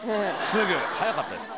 すぐ、早かったです。